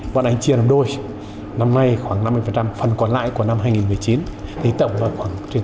bọn anh chia làm đôi năm nay khoảng năm mươi phần còn lại của năm hai nghìn một mươi chín thì tổng là khoảng trên tám